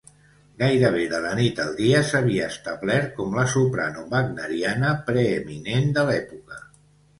Gairebé de la nit al dia, s'havia establert com la soprano wagneriana preeminent de l'època.